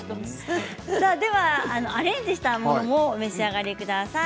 アレンジしたものも召し上がりください。